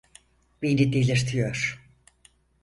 Beni delirtiyor.